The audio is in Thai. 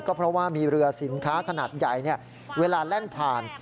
ก็เพราะว่ามีเรือสินค้าขนาดใหญ่เวลาแล่นผ่าน